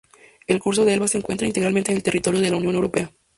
El curso del Elba se encuentra íntegramente en el territorio de la Unión Europea.